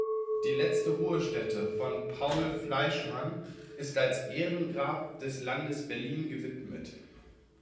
Die letzte Ruhestätte von Paul Fleischmann ist als Ehrengrab des Landes Berlin gewidmet.